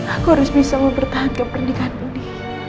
aku harus bisa mempertahankan pernikahan budi